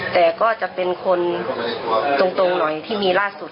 แต่ก็จะเป็นคนตรงหน่อยที่มีล่าสุด